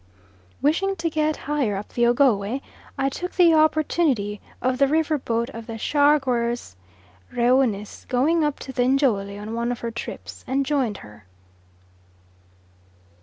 Wishing to get higher up the Ogowe, I took the opportunity of the river boat of the Chargeurs Reunis going up to the Njole on one of her trips, and joined her.